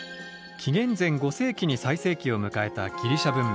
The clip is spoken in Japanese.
紀元前５世紀に最盛期を迎えたギリシャ文明。